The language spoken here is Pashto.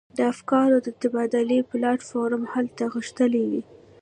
د افکارو د تبادلې پلاټ فورم هلته غښتلی وي.